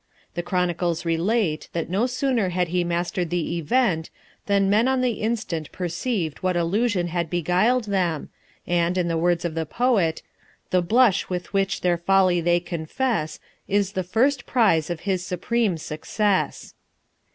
The chronicles relate, that no sooner had he mastered the Event, than men on the instant perceived what illusion had beguiled them, and, in the words of the poet, The blush with which their folly they confess Is the first prize of his supreme success.